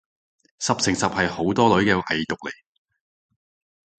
十成十係好多女嘅偽毒嚟